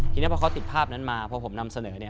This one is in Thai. ทีนี้พอเขาติดภาพนั้นมาพอผมนำเสนอ